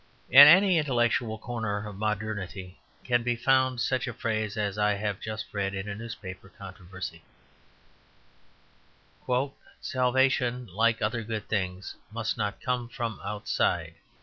In any intellectual corner of modernity can be found such a phrase as I have just read in a newspaper controversy: "Salvation, like other good things, must not come from outside."